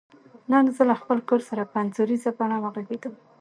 نن زه له خپل کور سره په انځوریزه بڼه وغږیدم.